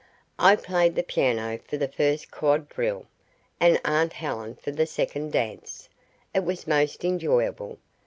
I played the piano for the first quadrille, and aunt Helen for the second dance. It was most enjoyable.